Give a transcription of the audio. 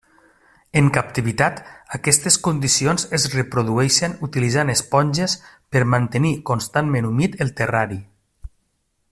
En captivitat aquestes condicions es reprodueixen utilitzant esponges per mantenir constantment humit el terrari.